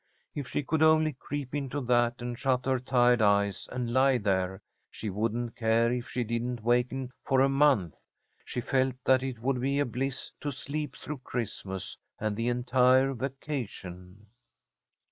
If she could only creep into that and shut her tired eyes and lie there, she wouldn't care if she didn't waken for a month. She felt that it would be bliss to sleep through Christmas and the entire vacation.